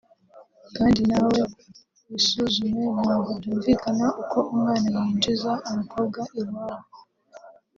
kdi nawe wisuzume ntago byumvikana uko umwana yinjiza umukobwa iwabo